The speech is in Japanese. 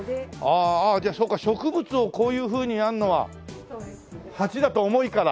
ああじゃあそうか植物をこういうふうにやるのは鉢だと重いから。